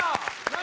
何？